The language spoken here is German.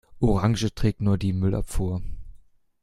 Orange trägt nur die Müllabfuhr.